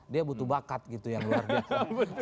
dia butuh bakat gitu yang luar biasa